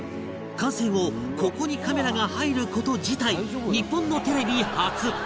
完成後ここにカメラが入る事自体日本のテレビ初